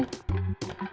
kau mau beli